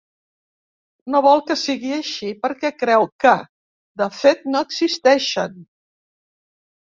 No vol que sigui així perquè creu que, de fet, no existeixen.